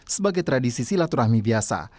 sebagai tradisi silaturahmi biasa